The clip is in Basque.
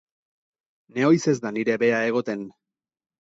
Nehoiz ez da nire beha egoten.